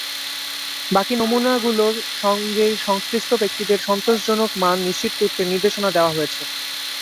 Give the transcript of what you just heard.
বাকি নমুনাগুলোর সঙ্গে সংশ্লিষ্ট ব্যক্তিদের সন্তোষজনক মান নিশ্চিত করতে নির্দেশনা দেওয়া হয়েছে।